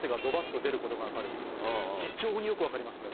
非常によく分かりますね。